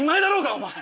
お前。